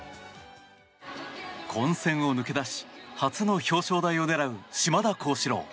混戦を抜け出し初の表彰台を狙う島田高志郎。